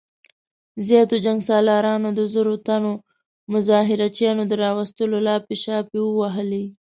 زياتو جنګ سالارانو د زرو تنو مظاهره چيانو د راوستلو لاپې شاپې ووهلې.